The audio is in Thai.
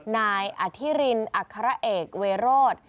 นายอธิรินอัครเอกเวโรธ